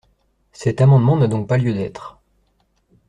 Cet amendement n’a donc pas lieu d’être.